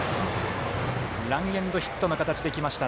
ランエンドヒットの形できました。